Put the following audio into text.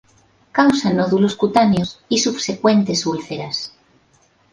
Causa nódulos cutáneos y subsecuentes úlceras.